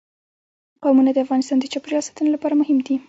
قومونه د افغانستان د چاپیریال ساتنې لپاره مهم دي.